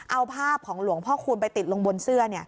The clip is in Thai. เอาภาพของหลวงพ่อคูณไปติดลงบนเสื้อ